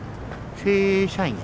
正社員で。